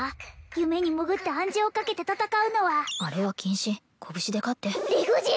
夢に潜って暗示をかけて戦うのはあれは禁止拳で勝って理不尽！